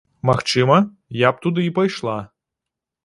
Магчыма, я б туды і пайшла.